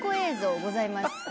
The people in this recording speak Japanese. ございます。